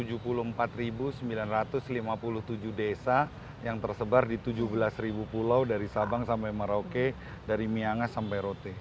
jadi kita punya tujuh belas desa yang tersebar di tujuh belas pulau dari sabang sampai merauke dari myangas sampai rote